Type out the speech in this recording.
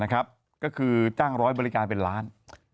ก็คือจ้างร้อยบริการเป็นล้าน